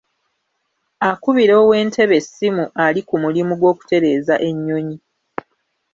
Akubira ow'e Ntebe essimu ali ku mulimu gw'okutereeza ennyonyi.